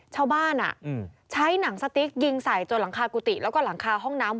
ชาวบ้านใช้หนังสติ๊กยิงใส่จนหลังคากุฏิแล้วก็หลังคาห้องน้ำ